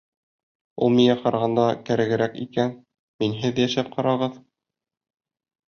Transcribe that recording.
Ул миңә ҡарағанда кәрәгерәк икән, минһеҙ йәшәп ҡарағыҙ!